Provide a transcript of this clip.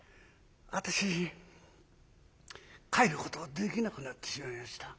私帰ることできなくなってしまいました」。